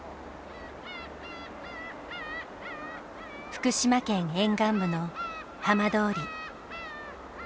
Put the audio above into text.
福島県沿岸部の浜通り。